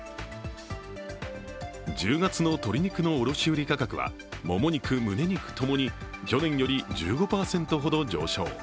１０月の鶏肉の卸売価格はもも肉、むね肉ともに去年より１５％ほど上昇。